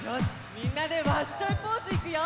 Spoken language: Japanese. みんなでワッショイポーズいくよ。